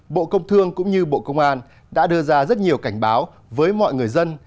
bộ công thương cũng như bộ công an đã đưa ra rất nhiều cảnh báo với mọi người dân